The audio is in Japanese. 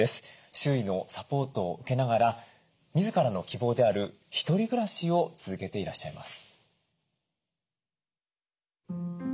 周囲のサポートを受けながら自らの希望である一人暮らしを続けていらっしゃいます。